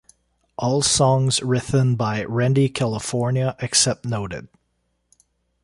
All songs written by Randy California except noted.